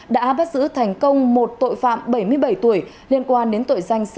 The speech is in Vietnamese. đã bắt giữ thành công một tội phạm bảy mươi bảy tuổi liên quan đến tội giao dịch bóng đá